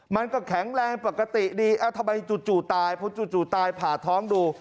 มันก็แข็งแรงปกติดีทำไมจู่ตายเพราะจู่ตายผ่าท้องดู